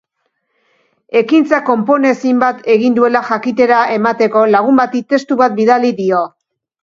Ekintza konponezin bat egin duela jakitera emateko lagun bati testu bat bidali dio.